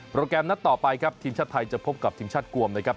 แกรมนัดต่อไปครับทีมชาติไทยจะพบกับทีมชาติกวมนะครับ